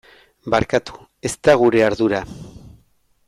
Barkatu, ez da gure ardura.